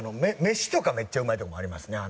飯とかめっちゃうまいとこありますね。